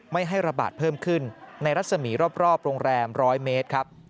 ไม่ให้ระบาดเพิ่มขึ้นในรัศมีร์รอบโรงแรม๑๐๐เมตรครับ